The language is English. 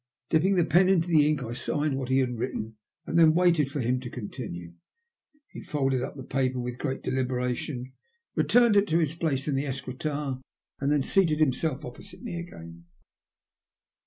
Dipping the pen into the ink I signed what he had writteny and then waited for him to continue. He folded up the paper with great deliberationi returned it to its place in the escritoire, and then seated himself opposite me again.